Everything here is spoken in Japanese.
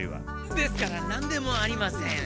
ですからなんでもありません。